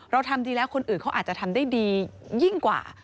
เราทำดีแล้วคนอื่นเขาอาจจะทำได้ดียิ่งกว่า